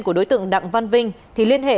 của đối tượng đặng văn vinh thì liên hệ